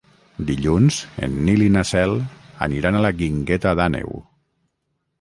Dilluns en Nil i na Cel aniran a la Guingueta d'Àneu.